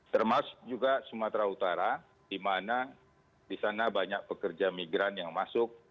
termasuk juga sumatera utara di mana di sana banyak pekerja migran yang masuk